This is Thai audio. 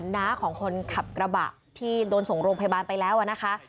น้าของคนขับกระบะที่โดนส่งโรงพยาบาลไปแล้วนะคะ